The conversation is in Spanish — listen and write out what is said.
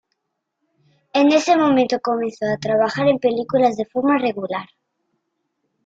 En ese momento, comenzó a trabajar en películas de forma regular.